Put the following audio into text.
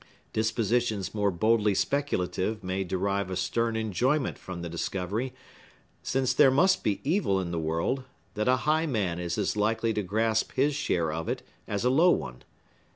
Dispositions more boldly speculative may derive a stern enjoyment from the discovery, since there must be evil in the world, that a high man is as likely to grasp his share of it as a low one.